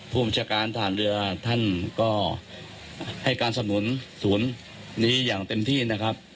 ผู้บัญชาการฐานเรือท่านก็ให้การสำนุนศูนย์นี้อย่างเต็มที่นะครับ